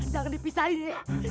jangan dipisahin ya